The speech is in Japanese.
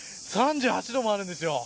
３８度もあるんです。